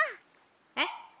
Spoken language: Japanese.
「えっ？」。